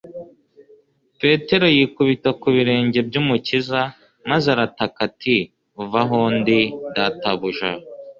Petero yikubita ku birenge by'Umukiza, maze arataka ati : "va aho ndi Data buja